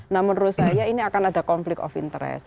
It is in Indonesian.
nah menurut saya ini akan ada konflik of interest